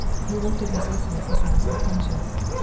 He looked at his listener for signs of attention.